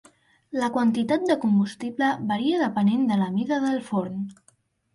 La quantitat de combustible varia depenent de la mida del forn.